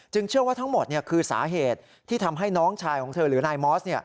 เชื่อว่าทั้งหมดคือสาเหตุที่ทำให้น้องชายของเธอหรือนายมอส